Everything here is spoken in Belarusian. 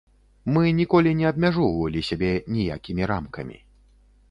Мы ніколі не абмяжоўвалі сябе ніякімі рамкамі.